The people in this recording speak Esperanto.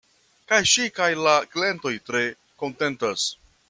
Kaj ŝi kaj la klientoj tre kontentas.